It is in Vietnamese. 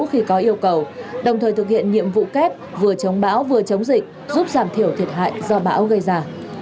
khi có yêu cầu đồng thời thực hiện nhiệm vụ kép vừa chống bão vừa chống dịch giúp giảm thiểu thiệt hại do bão gây ra